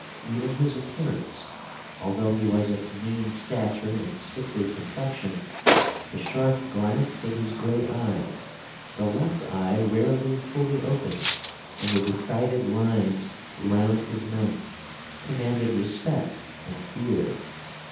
Even his appearance (although he was of mean stature and sickly complexion) the sharp glance of his grey eyes, the left eye rarely fully open, and the decided lines round his mouth commanded respect and fear.